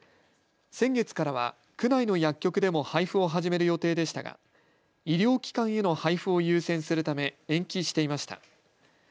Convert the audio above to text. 先月からは区内の薬局でも配布を始める予定でしたが医療機関への配布を優先するため延期していました。